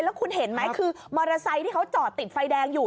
แล้วคุณเห็นไหมคือมอเตอร์ไซค์ที่เขาจอดติดไฟแดงอยู่